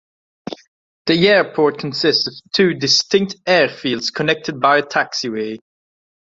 The airport consists of two distinct airfields connected by a taxiway.